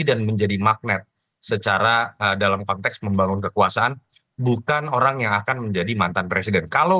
dan menjadi magnet secara dalam konteks membangun kekuasaan bukan orang yang akan menjadi mantan presiden